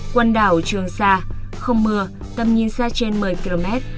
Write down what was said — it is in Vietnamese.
quần đảo trường sa không mưa tầm nhìn xa trên một mươi km